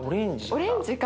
オレンジか。